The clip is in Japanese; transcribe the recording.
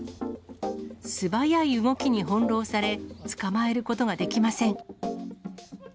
素早い動きに翻弄され、捕まえることができません。